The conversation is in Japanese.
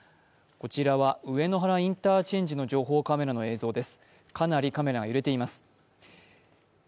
こちらは上野原インターチェンジの情報カメラの映像です。